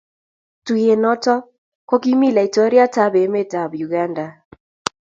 Tuyet noto kokimi laitoriat ab emet ab Uganda